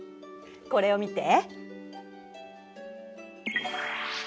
これを見て。